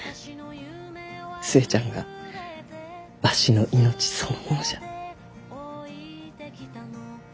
寿恵ちゃんがわしの命そのものじゃ。